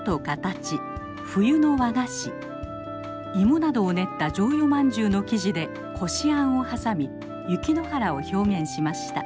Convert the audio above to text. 芋などを練った薯蕷饅頭の生地でこしあんを挟み雪の原を表現しました。